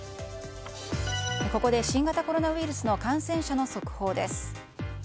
ここで新型コロナウイルスの感染者の速報です。